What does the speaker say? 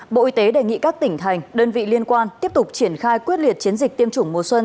bộ y tế đề nghị các tỉnh thành đơn vị liên quan tiếp tục triển khai quyết liệt chiến dịch tiêm chủng mùa xuân